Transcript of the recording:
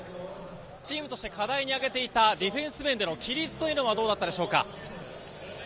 チームで課題にあげていたディフェンス面での規律はどうだったんでしょうか？